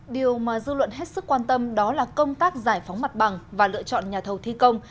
điều mà dư luận hết sức quan tâm đó là công tác giải phóng mặt bằng và lựa chọn nhà thầu thi công